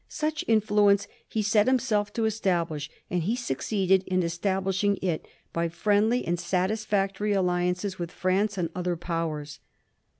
Such influence he set himself to establish, and he succeeded in establish ing it by friendly and satisfactory alliances with France and other Powers.